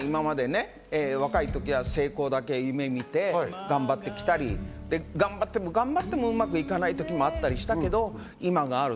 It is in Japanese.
今まで若い時は成功だけ夢見て頑張ってきたり、頑張っても頑張っても、うまくいかない時もあったりしたけど、今がある。